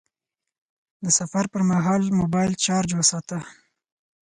د سفر پر مهال موبایل چارج وساته..